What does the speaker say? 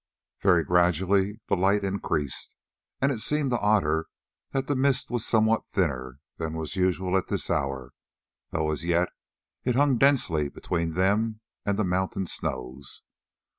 Very gradually the light increased, and it seemed to Otter that the mist was somewhat thinner than was usual at this hour, though as yet it hung densely between them and the mountain snows.